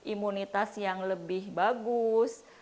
imunitas yang lebih bagus